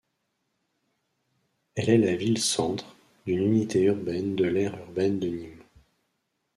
Elle est la ville-centre d'une unité urbaine de l'aire urbaine de Nîmes.